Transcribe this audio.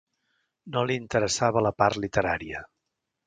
No li interessava la part literària.